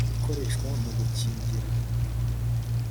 ikoreshwa mu gukingira